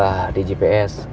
ah di gps